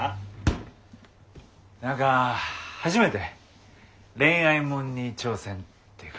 何か初めて恋愛もんに挑戦っていうかさ。